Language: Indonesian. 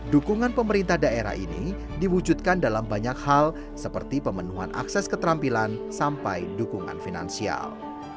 dukungan pemerintah daerah ini diwujudkan dalam banyak hal seperti pemenuhan akses keterampilan sampai dukungan finansial